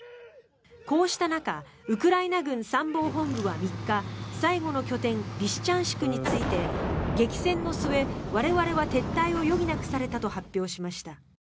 こうした中ウクライナ軍参謀本部は３日最後の拠点リシチャンシクについて激戦の末、我々は撤退を余儀なくされたと発表しました。